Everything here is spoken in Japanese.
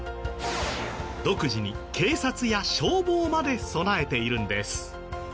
独自に警察や消防まで備えているんです。